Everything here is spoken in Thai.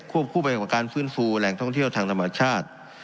คู่ไปกับการฟื้นฟูแหล่งท่องเที่ยวทางธรรมชาติ